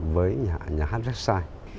với nhà hát vecchiai